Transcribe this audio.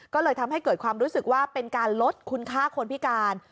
ก็เลยทำให้เกิดความรู้สึกว่าเป็นการลดคุณค่าคนพิการ